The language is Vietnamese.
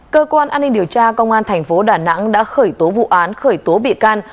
cơ quan an ninh điều tra công an thành phố đà nẵng đã khởi tố vụ án khởi tố bị can